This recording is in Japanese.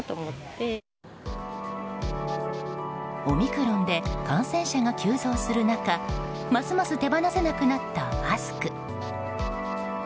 オミクロンで感染者が急増する中ますます手放せなくなったマスク。